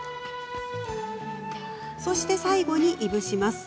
そして最後に、いぶします。